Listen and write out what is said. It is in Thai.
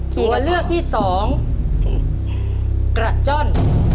ตัวเลือกที่สองกระจ้อน